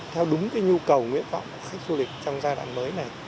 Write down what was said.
theo đúng nhu cầu nguyện vọng của khách du lịch trong giai đoạn mới này